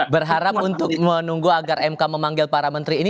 berharap untuk menunggu agar mk memanggil para menteri ini